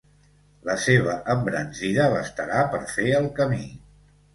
La seva embranzida bastarà per fer el camí.